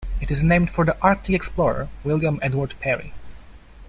It is named for the Arctic explorer William Edward Parry.